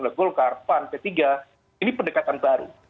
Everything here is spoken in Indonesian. oleh golkar pan p tiga ini pendekatan baru